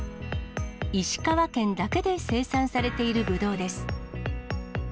石川県だけで生産されているぶどうです。